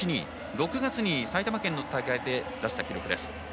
６月に埼玉県の大会で出した記録です。